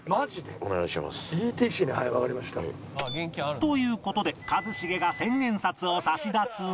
という事で一茂が千円札を差し出すが